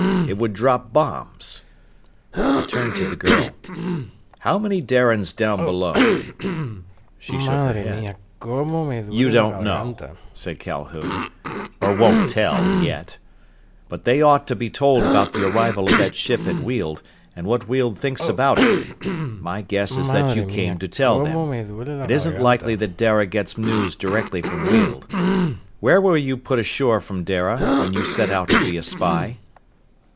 It would drop bombs." He turned to the girl. "How many Darians down below?" She shook her head. "You don't know," said Calhoun, "or won't tell, yet. But they ought to be told about the arrival of that ship at Weald, and what Weald thinks about it! My guess is that you came to tell them. It isn't likely that Dara gets news directly from Weald. Where were you put ashore from Dara, when you set out to be a spy?"